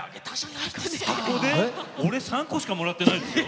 俺３個しかもらってないですよ。